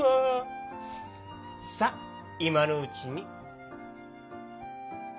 さあいまのうちに。